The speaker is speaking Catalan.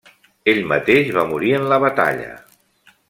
Ell mateix va morir en la batalla.